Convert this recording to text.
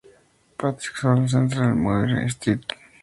Patrick's Old Cathedral en Mulberry Street.